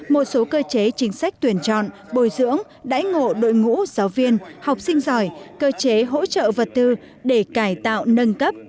một số cơ chế chính sách tuyển chọn bồi dưỡng đáy ngộ đội ngũ giáo viên học sinh giỏi cơ chế hỗ trợ vật tư để cải tạo nâng cấp